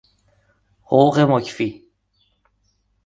حقوق مکفی